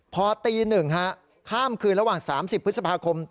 พอตี๑ข้ามคืนระหว่าง๓๐พฤษภาคม